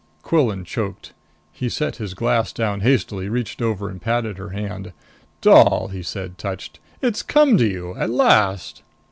Quillan choked. He set his glass down hastily, reached over and patted her hand. "Doll," he said, touched, "it's come to you! At last."